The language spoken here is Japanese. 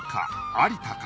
有田か？